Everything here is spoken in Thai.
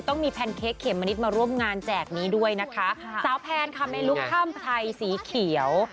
ต้องมีแพนเค้กเขมมะนิดมาร่วมงานแจกนี้ด้วยนะคะสาวแพนค่ะไม่ลุคถ้ำไทยสีเขียว